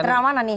internal mana nih